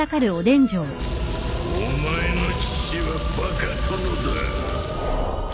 お前の父はバカ殿だ！